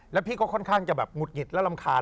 แล้วพี่ก็ค่อนข้างจะแบบหุดหงิดและรำคาญ